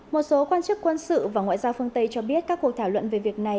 một số quan chức quân sự và ngoại giao phương tây cho biết các cuộc thảo luận về việc này